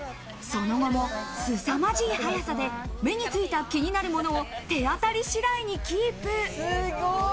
その後もすさまじい速さで目についた気になるものを手当たり次第にキープ。